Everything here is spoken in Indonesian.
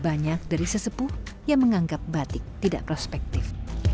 banyak dari sesepuh yang menganggap batik tidak prospektif